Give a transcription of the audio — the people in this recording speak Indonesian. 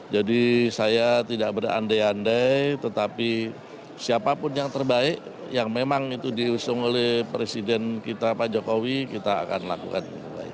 jadi saya tidak berandai andai tetapi siapapun yang terbaik yang memang itu diusung oleh presiden kita pak jokowi kita akan lakukan